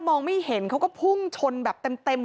มองไม่เห็นเขาก็พุ่งชนแบบเต็มเลย